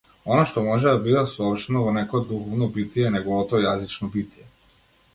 Она што може да биде соопштено во некое духовно битие е неговото јазично битие.